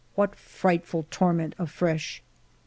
What frightful torment afresh